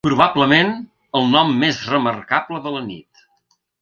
Probablement el nom més remarcable de la nit.